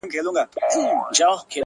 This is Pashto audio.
ساقي جانانه ته را یاد سوې تر پیالې پوري،